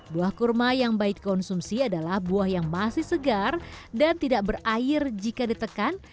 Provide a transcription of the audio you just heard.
buah kurma yang baik dikonsumsi adalah buah yang masih segar dan tidak berair jika ditekan